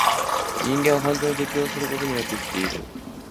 人間は環境に適応することによって生きている。